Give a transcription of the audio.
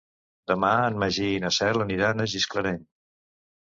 Demà en Magí i na Cel aniran a Gisclareny.